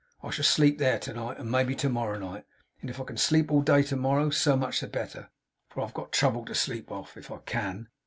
I shall sleep there to night, and maybe to morrow night; and if I can sleep all day to morrow, so much the better, for I've got trouble to sleep off, if I can.